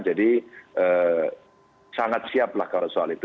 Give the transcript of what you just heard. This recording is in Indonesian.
jadi sangat siap lah kalau soal itu